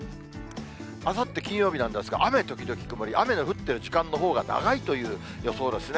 あさって金曜日なんですが、雨時々曇り、雨の降っている時間のほうが長いという予想ですね。